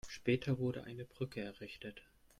Später wurde eine Brücke errichtet.